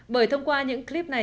bởi thông qua những clip này